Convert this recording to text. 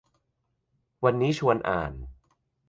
วันนี้ชวนอ่าน